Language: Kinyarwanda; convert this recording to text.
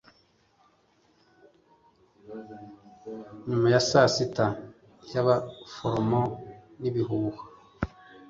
Nyuma ya saa sita y'abaforomo n'ibihuha;